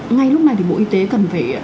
ngay lúc này thì bộ y tế cần phải